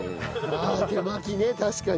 ああ手巻きね確かに。